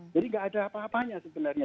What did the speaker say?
jadi tidak ada apa apanya sebenarnya